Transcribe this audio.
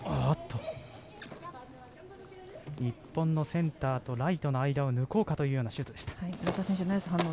日本のセンターとライトの間を抜こうかというようなシュート。